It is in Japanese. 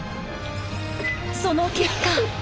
その結果。